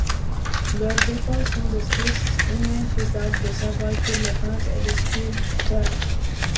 Leur décors sont des sources inépuisables de travail pour les peintres et les sculpteurs.